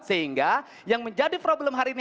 sehingga yang menjadi problem hari ini